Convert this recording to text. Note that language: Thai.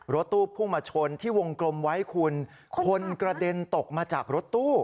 รถตู้พุ่งมาชนที่วงกลมไว้คุณคนกระเด็นตกมาจากรถตู้